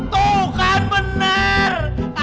tuh kan bener